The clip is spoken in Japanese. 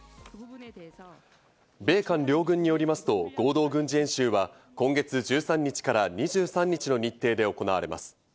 米韓両軍によりますと合同軍事演習は今月１３日から２３日の日程で行われます。